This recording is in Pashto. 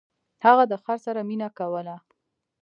هغه د خر سره مینه کوله.